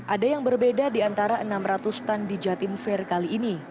ada yang berbeda di antara enam ratus stand di jatim fair kali ini